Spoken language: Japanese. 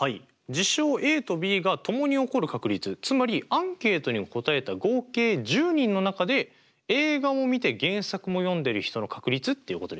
事象ＡとＢがともに起こる確率つまりアンケートに答えた合計１０人の中で映画もみて原作も読んでる人の確率っていうことですよね？